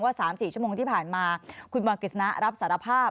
๓๔ชั่วโมงที่ผ่านมาคุณบอลกฤษณะรับสารภาพ